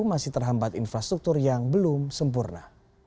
masih terhambat infrastruktur yang belum sempurna